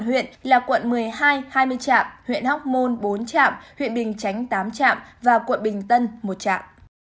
ba huyện là quận một mươi hai hai mươi trạm huyện hóc môn bốn trạm huyện bình chánh tám trạm và quận bình tân một trạm